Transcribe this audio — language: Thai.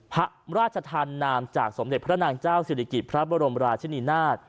พระราชทานนามจากสมเด็จพระนางเจ้าศิริกิจพระบรมราชินีนาฏ